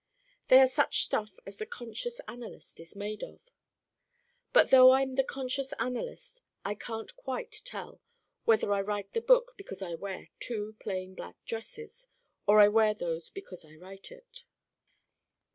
They are such stuff as the conscious analyst is made of. But though I'm the conscious analyst I can't quite tell whether I write the book because I wear two plain black dresses or I wear those because I write it.